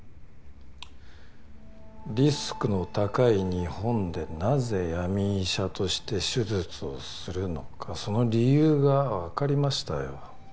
リスクの高い日本でなぜ闇医者として手術をするのかその理由が分かりましたよ